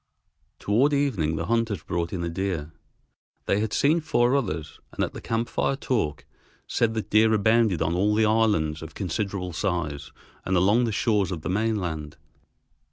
Toward evening the hunters brought in a deer. They had seen four others, and at the camp fire talk said that deer abounded on all the islands of considerable size and along the shores of the mainland.